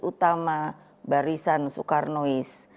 utama barisan soekarnois